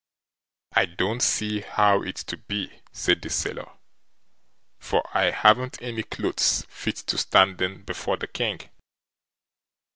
"I don't see how it's to be", said the sailor, "for I haven't any clothes fit to stand in before the King."